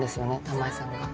玉恵さんが。